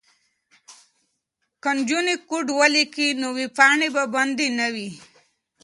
که نجونې کوډ ولیکي نو ویبپاڼې به بندې نه وي.